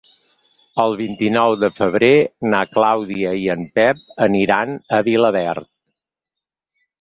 El vint-i-nou de febrer na Clàudia i en Pep aniran a Vilaverd.